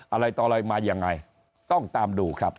อะไรต่ออะไรมายังไงต้องตามดูครับ